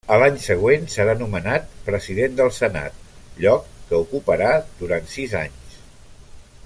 A l'any següent serà nomenat president del Senat lloc que ocuparà durant sis anys.